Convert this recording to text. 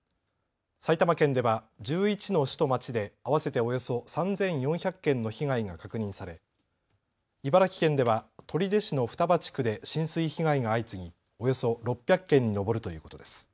埼玉県では１１の市と町で合わせておよそ３４００件の被害が確認され茨城県では取手市の双葉地区で浸水被害が相次ぎおよそ６００件に上るということです。